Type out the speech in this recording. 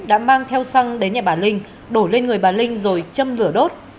đã mang theo xăng đến nhà bà linh đổ lên người bà linh rồi châm lửa đốt